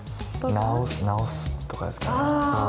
直す直すとかですかね？